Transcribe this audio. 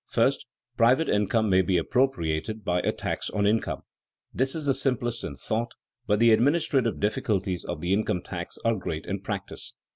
First, private income may be appropriated by a tax on income. This is the simplest in thought, but the administrative difficulties of the income tax are great in practice.